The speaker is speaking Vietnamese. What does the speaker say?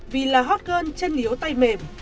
vì là hot girl chân yếu tay mềm